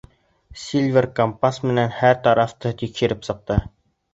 Сильвер компас менән һәр тарафты тикшереп сыҡты.